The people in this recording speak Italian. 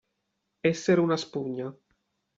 Essere una spugna.